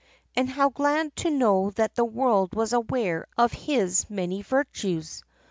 And how glad to know that the world was aware of his many virtues.